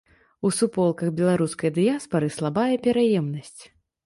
У суполках беларускай дыяспары слабая пераемнасць.